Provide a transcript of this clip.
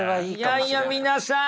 いやいや皆さん